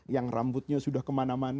yang rambutnya sudah kemana mana